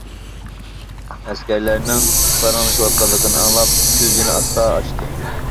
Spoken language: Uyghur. ئەسكەرلەرنىڭ پاراڭلىشىۋاتقانلىقىنى ئاڭلاپ كۆزىنى ئاستا ئاچتى.